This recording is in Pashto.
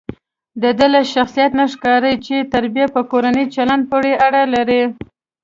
دده له شخصیت نه ښکاري چې تربیه په کورني چلند پورې اړه لري.